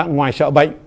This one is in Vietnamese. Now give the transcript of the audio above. ngoài sợ bệnh